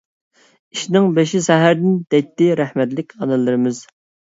«ئىشنىڭ بېشى سەھەردىن» دەيتتى رەھمەتلىك ئانىلىرىمىز.